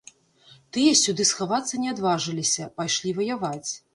Тыя сюды схавацца не адважыліся, пайшлі ваяваць.